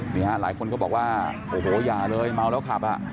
นี่ฮะหลายคนก็บอกว่าโอ้โหอย่าเลยเมาแล้วขับอ่ะ